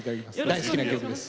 大好きな曲です。